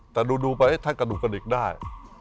แต่ดูไปท่านกระดูกกระดิกได้